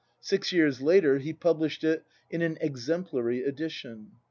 Six years later he published it in an exemplary edition.